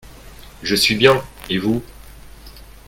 Je suis bien, et vous ?